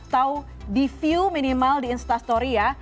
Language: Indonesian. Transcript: kasi like atau view minimal di instastory ya